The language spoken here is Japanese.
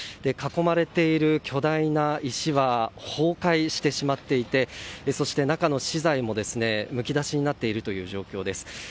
囲まれている巨大な石は崩壊してしまっていてそして、中の資材もむき出しになっている状況です。